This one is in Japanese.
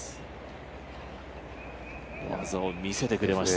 技を見せてくれました。